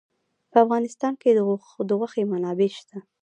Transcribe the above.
په افغانستان کې د غوښې منابع شته.